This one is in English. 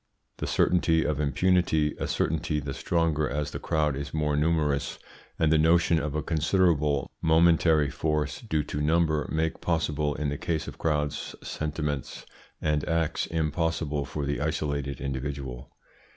The certainty of impunity, a certainty the stronger as the crowd is more numerous, and the notion of a considerable momentary force due to number, make possible in the case of crowds sentiments and acts impossible for the isolated individual.